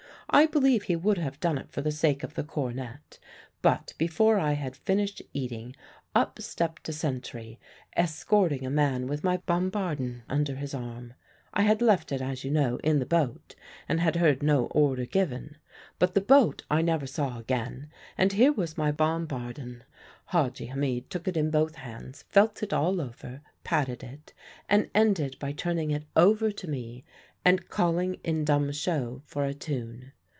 I believe he would have done it for the sake of the cornet; but before I had finished eating, up stepped a sentry escorting a man with my bombardon under his arm. I had left it, as you know, in the boat, and had heard no order given; but the boat I never saw again, and here was my bombardon. Hadji Hamid took it in both hands, felt it all over, patted it, and ended by turning it over to me and calling in dumb show for a tune.